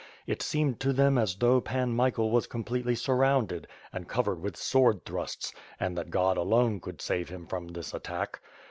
It seemed to them as though Pan Mishael was completely surrounded and covered with sword thrusts and that God alone could save him from this attack.